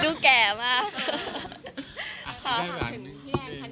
กูแก่มาก